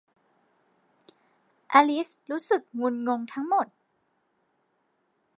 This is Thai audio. อลิซรู้สึกงุนงงทั้งหมด